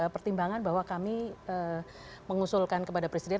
pertimbangan bahwa kami mengusulkan kepada presiden